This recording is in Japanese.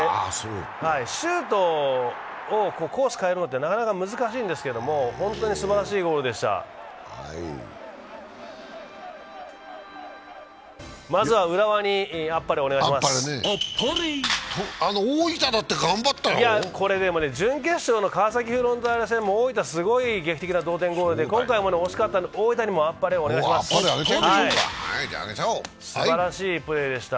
シュートのコースを変えるのって難しいんですけど、本当にすばらしいゴールでした。